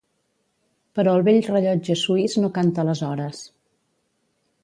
Però el vell rellotge suís no canta les hores.